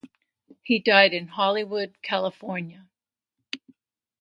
He died in Hollywood, California.